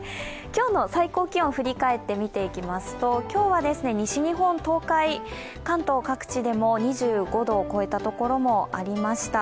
今日の最高気温振り返って見ていきますと今日は西日本、東海、関東各地でも２５度を超えたところもありました。